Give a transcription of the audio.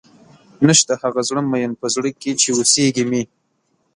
نيشته هغه زړۀ ميئن پۀ زړۀ کښې چې اوسېږي مې